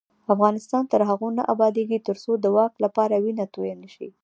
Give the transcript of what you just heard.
افغانستان تر هغو نه ابادیږي، ترڅو د واک لپاره وینه تویه نشي.